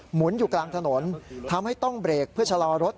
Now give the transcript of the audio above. หุนอยู่กลางถนนทำให้ต้องเบรกเพื่อชะลอรถ